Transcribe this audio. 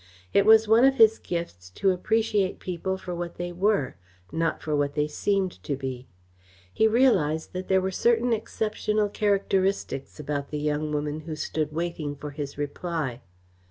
It was one of his gifts to appreciate people for what they were, not for what they seemed to be. He realised that there were certain exceptional characteristics about the young woman who stood waiting for his reply.